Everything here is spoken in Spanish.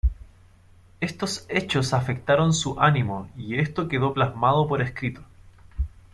Estos hechos afectaron su ánimo y esto quedó plasmado por escrito.